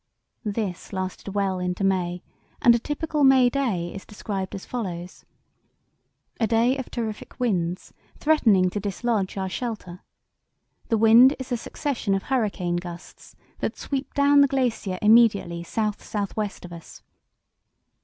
This lasted well into May, and a typical May day is described as follows: "A day of terrific winds, threatening to dislodge our shelter. The wind is a succession of hurricane gusts that sweep down the glacier immediately south south west of us.